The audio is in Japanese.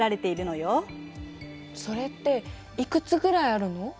それっていくつぐらいあるの？